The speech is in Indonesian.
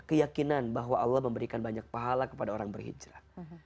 keyakinan bahwa allah memberikan banyak pahala kepada orang berhijrah